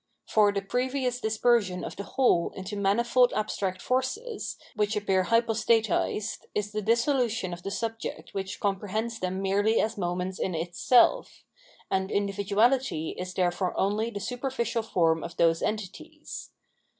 For the previous dispersion of the whole into manifold abstract forces, which appear hypostatised, is the dissolution of the subject which comprehends them merely as moments in its self ; and individuahty is therefore only the superfi.cial form of those entities.